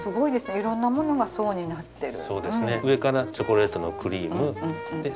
いろんなものが層になってる。